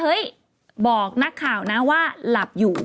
เฮ้ยบอกนักข่าวนะว่าหลับอยู่